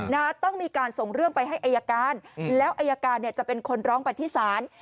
น่าต้องมีการส่งเรื่องไปให้ไอร์การแล้วไอร์การจะเป็นคนร้องปันที่ศาล